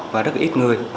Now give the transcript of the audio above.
và rất là ít người